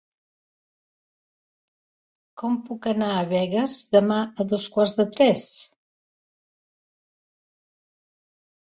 Com puc anar a Begues demà a dos quarts de tres?